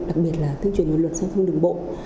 đặc biệt là tuyên truyền luật luật sang thông đường bộ